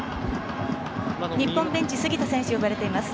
日本ベンチ杉田選手、呼ばれています。